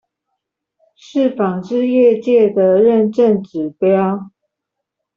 是紡織業界的認證指標